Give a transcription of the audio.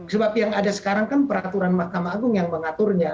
sebab yang ada sekarang kan peraturan mahkamah agung yang mengaturnya